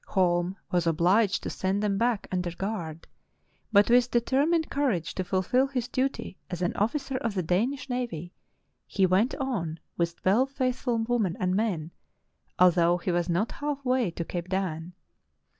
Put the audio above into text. Holm was obliged to send them back under Garde, but with determined courage to fulfil his duty as an officer of the Danish The Inult Survivors of the Stone Age 341 navy, he went on with twelve faithful women and men, although he was not half way to Cape Dan.